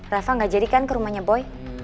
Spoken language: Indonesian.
rafa nggak jadi kan ke rumahnya boy